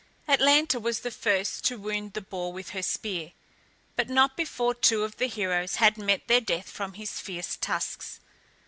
Atalanta was the first to wound the boar with her spear, but not before two of the heroes had met their death from his fierce tusks.